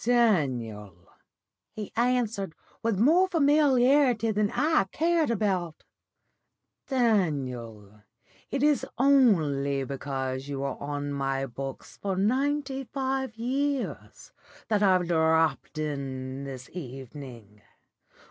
'Daniel,' he answered, with more familiarity than I cared about, 'Daniel, it is only because you were on my books for ninety five years that I've dropped in this evening.